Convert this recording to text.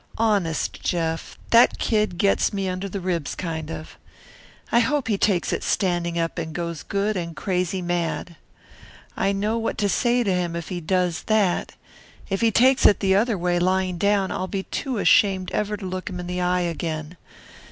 Honest, Jeff, that kid gets me under the ribs kind of. I hope he takes it standing up, and goes good and crazy mad." "I'll know what to say to him if he does that. If he takes it the other way, lying down, I'll be too ashamed ever to look him in the eye again.